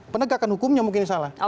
penegakan hukumnya mungkin salah